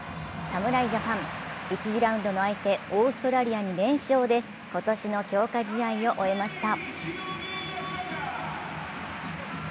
侍ジャパン、１次ラウンドの相手・オーストラリアに連勝で今年の強化試合を終えました。